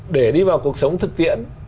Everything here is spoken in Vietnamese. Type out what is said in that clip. để đi vào cuộc sống thực tiễn